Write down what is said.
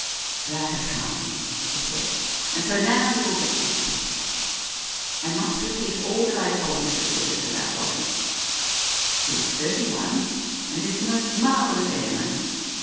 "That has calmed me," she said, "and so now we will get to business. I must repeat all that I told Mrs. Withers about Robbie. He is thirty one, and is the most marvellous airman.